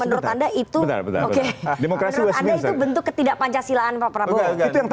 menurut anda itu bentuk ketidak pancasilaan pak prabowo